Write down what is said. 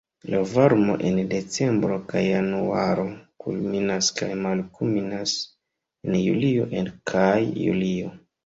La varmo en decembro kaj januaro kulminas kaj malkulminas en julio kaj julio.